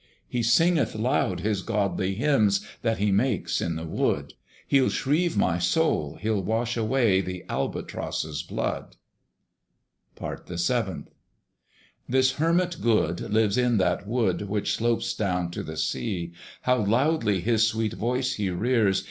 He singeth loud his godly hymns That he makes in the wood. He'll shrieve my soul, he'll wash away The Albatross's blood. PART THE SEVENTH. This Hermit good lives in that wood Which slopes down to the sea. How loudly his sweet voice he rears!